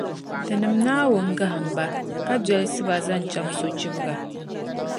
Tinim’ Naawuni gahim ba, ka dolsi ba n-zaŋ chaŋ sochibga.